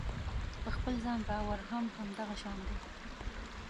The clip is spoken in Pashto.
په خپل ځان باور هم همدغه شان دی.